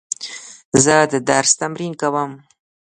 زه د درس تمرین کوم.